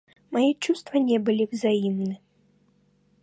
Мои чувства не были взаимны.